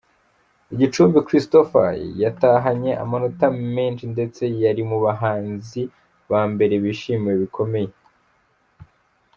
I Gicumbi, Christopher yatahanye amanota meza ndetse yari mu bahanzi ba mbere bishimiwe bikomeye.